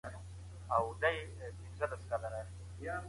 ما پرون په دعا کي د خپل ایمان د زیاتوالي غوښتنه وکړه.